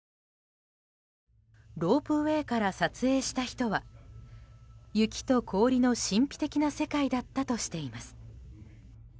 ロープウェーから撮影した人は雪と氷の神秘的な世界だったとしています。